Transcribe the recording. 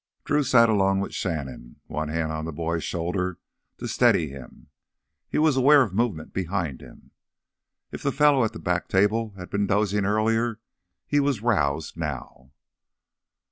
Drew sat alone with Shannon, one hand on the boy's shoulder to steady him. He was aware of movement behind him. If the fellow at the back table had been dozing earlier, he was roused now.